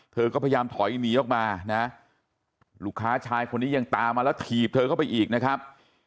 เธอก็พยายามถอยหนีออกมานะลูกค้าชายคนนี้ยังตามมาแล้วถีบเธอเข้าไปอีกนะครับ